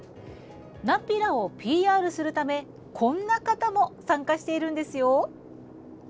ナピラをＰＲするためこんな方も参加しているんですよ。